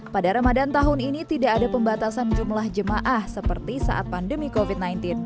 pada ramadan tahun ini tidak ada pembatasan jumlah jemaah seperti saat pandemi covid sembilan belas